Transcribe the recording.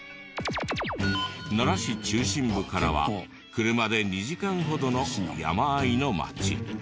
奈良市中心部からは車で２時間ほどの山あいの町。